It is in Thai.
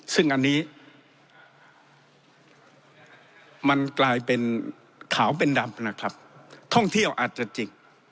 ซึ่งอันนี้มันกลายเป็นขาวเป็นดำนะครับท่องเที่ยวอาจจะจิก